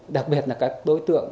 đặc biệt là các đối tượng